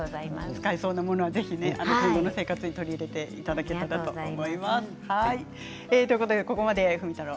使えそうなものは自分の生活に取り入れていただければと思います。